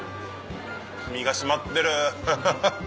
身が締まってるハハハ。